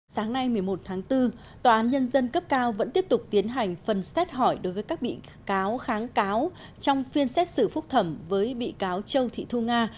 sáng nay một mươi một tháng bốn tòa án nhân dân cấp cao vẫn tiếp tục tiến hành phần xét hỏi đối với các bị cáo kháng cáo trong phiên xét xử phúc thẩm với bị cáo châu thị thu nga